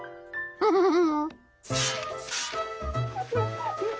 フフフフ。